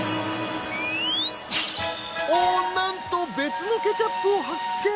おっなんと別のケチャップを発見！